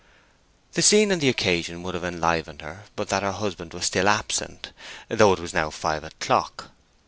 The scene and the occasion would have enlivened her but that her husband was still absent; though it was now five o'clock.